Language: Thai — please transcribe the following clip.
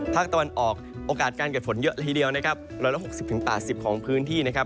ภาคตะวันออกโอกาสการเกิดฝนเยอะละทีเดียวนะครับ๑๖๐๘๐ของพื้นที่นะครับ